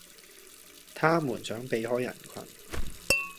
他們想避開人群